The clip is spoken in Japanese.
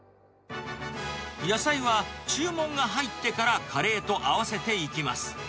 野菜は、注文が入ってからカレーと合わせていきます。